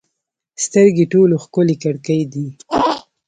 سترګې ټولو ښکلې کړکۍ دي.